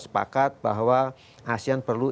sepakat bahwa asean perlu